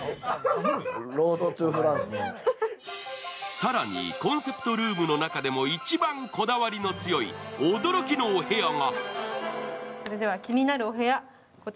更に、コンセプトルームの中でも一番こだわりの強い驚きのお部屋が。